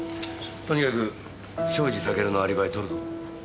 とにかく庄司タケルのアリバイ取るぞ。